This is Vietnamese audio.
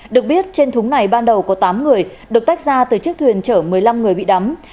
được biết trên thúng này ban đầu có tám người được tách ra từ chiếc thuyền chở một mươi năm người bị đắm